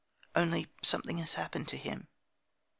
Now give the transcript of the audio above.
Only something has happened to him.